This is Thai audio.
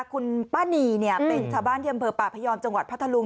คุณป้านีเป็นชาวบ้านที่อำเภอป่าพยอมจังหวัดพัทธลุง